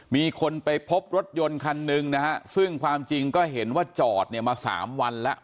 มีคนไปพบรถยนต์คันหนึ่งนะฮะซึ่งความจริงก็เห็นว่าจอดเนี่ยมาสามวันแล้ว